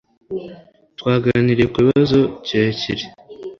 Twaganiriye ku kibazo kirekire.